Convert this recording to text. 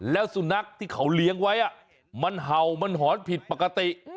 แล้วสุนัขที่เขาเลี้ยงไว้มันเห่ามันหอนผิดปกติ